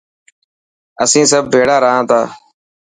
اسين سڀ ڀيڙا رهان ٿا.